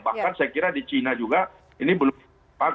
bahkan saya kira di china juga ini belum